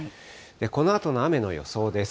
このあとの雨の予想です。